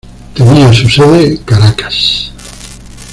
Tenía su sede Caracas.